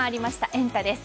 エンタ！です。